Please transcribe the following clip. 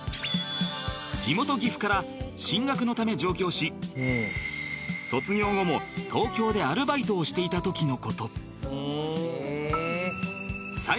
地元岐阜から進学のため上京し卒業後も東京でアルバイトをしていた時の事